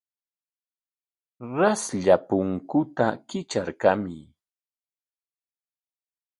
Saslla punkuta kitrarkamuy.